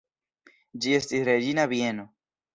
Ĝi estis reĝina bieno.